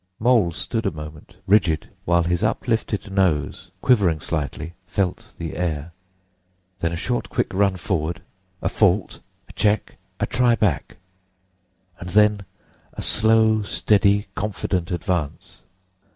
Mole stood a moment rigid, while his uplifted nose, quivering slightly, felt the air. Then a short, quick run forward—a fault—a check—a try back; and then a slow, steady, confident advance.